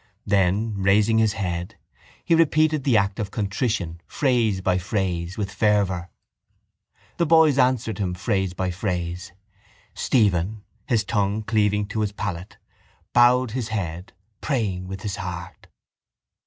Then, raising his head, he repeated the act of contrition, phrase by phrase, with fervour. The boys answered him phrase by phrase. Stephen, his tongue cleaving to his palate, bowed his head, praying with his heart.